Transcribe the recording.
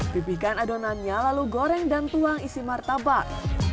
pipihkan adonannya lalu goreng dan tuang isi martabak